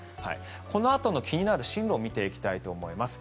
このあとの気になる進路を見ていきたいと思います。